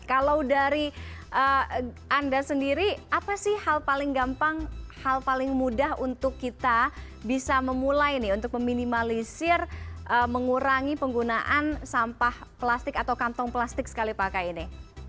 kalau dari anda sendiri apa sih hal paling gampang hal paling mudah untuk kita bisa memulai nih untuk meminimalisir mengurangi penggunaan sampah plastik atau kantong plastik sekali pakai ini